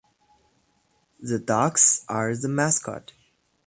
The ducks are the mascot.